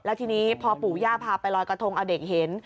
แล้วทีนี้พอปู่ย่าพาไปลอยกระทงเอาเด็กเห็น